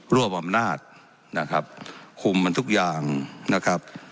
วบอำนาจนะครับคุมมันทุกอย่างนะครับ